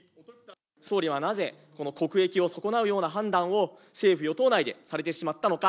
総理はなぜ、この国益を損なうような判断を政府・与党内でされてしまったのか。